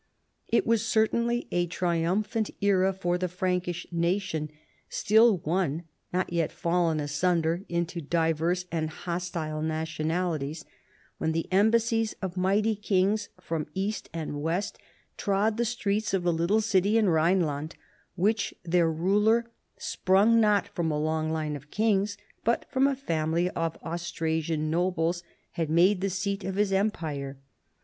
It was certainly a triumphant era for the Frankish nation — still one^ not yet fallen asunder into diverse and hostile nationalities — when the embassies of mighty kings from east and west trod the streets of the little city in Rhine land which their ruler, sprung not from a long line of kings but from a family of Austrasian nobles, had made the seat of his empire.